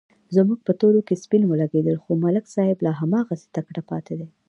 زموږ په تورو کې سپین ولږېدل، خو ملک صاحب لا هماغسې تکړه پاتې دی.